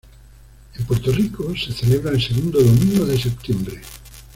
En Puerto Rico, se celebra el segundo domingo de septiembre.